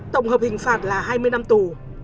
tổng hợp hình phạt là hai mươi năm tù